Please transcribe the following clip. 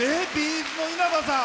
’ｚの稲葉さん。